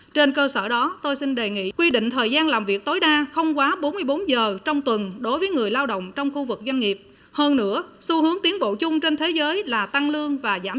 trên cơ sở đó tôi xin đề nghị quy định thời gian làm việc tối đa không quá bốn mươi bốn giờ trong tuần